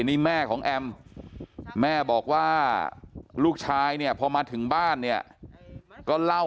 นี่แม่ของแอมแม่บอกว่าลูกชายเนี่ยพอมาถึงบ้านเนี่ยก็เล่า